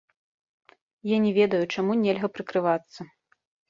Я не ведаю, чаму нельга прыкрывацца.